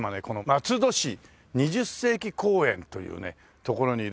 松戸市二十世紀公園という所にいるんです。